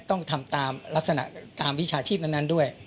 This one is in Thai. ต้องทำตามลักษณะตามวิชาชีพนั้นด้วย